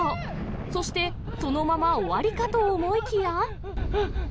そして、そのまま終わりかと思いきや。